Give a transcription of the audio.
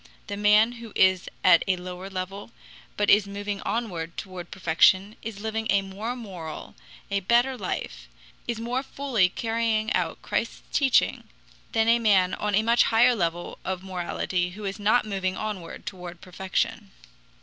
The man who is at a lower level but is moving onward toward perfection is living a more moral, a better life, is more fully carrying out Christ's teaching, than the man on a much higher level of morality who is not moving onward toward perfection.